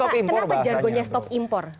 kenapa jargonnya stop impor